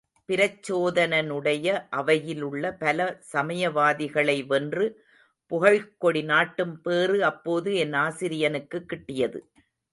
பிரச்சோதனனுடைய அவையிலுள்ள பல சமயவாதிகளை வென்று புகழ்க்கொடி நாட்டும் பேறு அப்போது என் ஆசிரியனுக்குக் கிட்டியது.